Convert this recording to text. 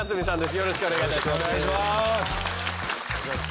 よろしくお願いします。